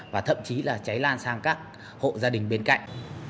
và thậm chí là cháy lan sang các hộ gia đình bên cạnh